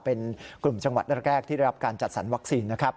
เป็นกลุ่มจังหวัดแรกที่ได้รับการจัดสรรวัคซีนนะครับ